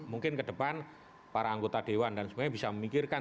mungkin ke depan para anggota dewan dan semuanya bisa memikirkan